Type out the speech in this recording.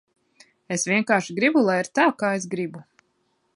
Es vienkārši gribu, lai ir tā, kā es gribu.